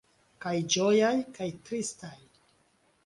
Kaj ĝojaj, kaj tristaj.